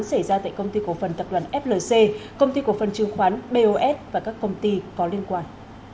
xảy ra tại công ty cổ phần tập đoàn flc công ty cổ phần chứng khoán bos và các công ty có liên quan